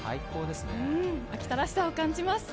秋田らしさを感じます。